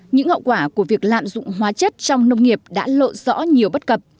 những hậu quả của việc lạm dụng hóa chất trong nông nghiệp đã lộ rõ nhiều bất cập